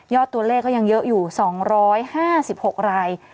ตัวเลขก็ยังเยอะอยู่๒๕๖ราย